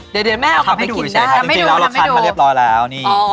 เดี๋ยวเดี๋ยวแม่เอากลับมากินได้ทำให้ดูทำให้ดูทำให้ดูจริงจริงแล้วเราคัดไม่เรียบร้อยแล้วนี่